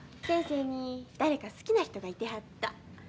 先生に誰か好きな人がいてはった。